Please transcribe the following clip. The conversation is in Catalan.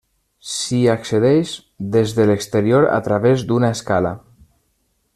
S'hi accedeix des de l'exterior a través d'una escala.